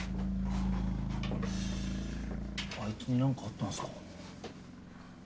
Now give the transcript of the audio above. あいつになんかあったんすか？